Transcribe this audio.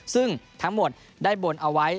ซึ่งทั้งหมดได้บนเอาไว้